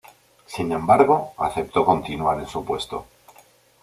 Sin embargo, aceptó continuar en su puesto.